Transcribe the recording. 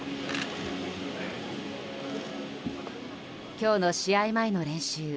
今日の試合前の練習。